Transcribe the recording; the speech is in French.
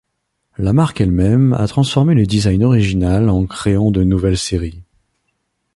La marque elle-même a transformé le design original en créant de nouvelles séries.